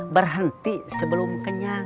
berhenti sebelum kenyang